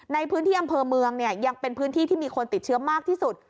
ในพื้นที่อำเภอเมืองเนี่ยยังเป็นพื้นที่ที่มีคนติดเชื้อมากที่สุด